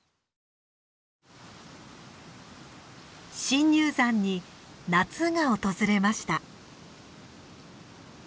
深入山に夏が訪れました。